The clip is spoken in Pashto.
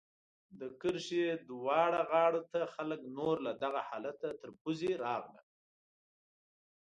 د کرښې دواړو غاړو ته خلک نور له دغه حالته تر پوزې راغله.